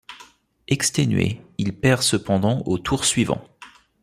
Exténué, il perd cependant au tour suivant.